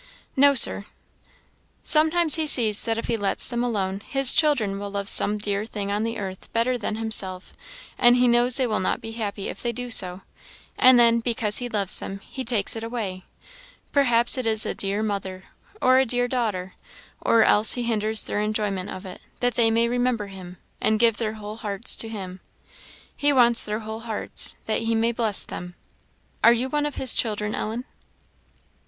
"No, Sir." "Sometimes he sees that if he lets them alone, his children will love some dear thing on the earth better than himself, and he knows they will not be happy if they do so; and then, because he loves them, he takes it away perhaps it is a dear mother, or a dear daughter or else he hinders their enjoyment of it, that they may remember him, and give their whole hearts to him. He wants their whole hearts, that he may bless them. Are you one of his children, Ellen?"